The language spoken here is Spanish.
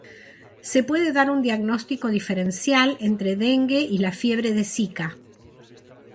Se puede dar un diagnóstico diferencial entre dengue y la fiebre de Zika.